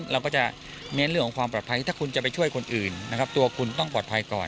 เราก็จะเน้นเรื่องของความปลอดภัยถ้าคุณจะไปช่วยคนอื่นนะครับตัวคุณต้องปลอดภัยก่อน